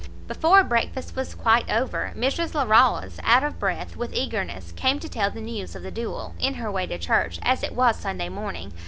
Before breakfast was quite over, Miss Larolles, out of breath with eagerness, came to tell the news of the duel, in her way to church, as it was Sunday morning!